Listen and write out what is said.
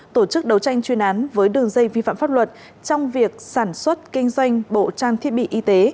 tổ chức đấu tranh chuyên án với đường dây vi phạm pháp luật trong việc sản xuất kinh doanh bộ trang thiết bị y tế